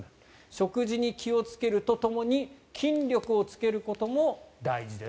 食事に気をつけるとともに筋力をつけることも大事です。